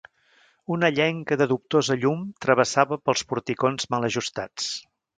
Una llenca de dubtosa llum travessava pels porticons mal ajustats.